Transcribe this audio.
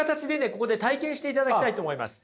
ここで体験していただきたいと思います。